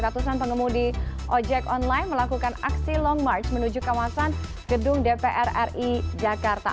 dan penemudi ojek online melakukan aksi long march menuju kawasan gedung dpr ri jakarta